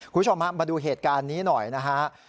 คุณผู้ชมครับมาดูเหตุการณ์นี้หน่อยนะครับ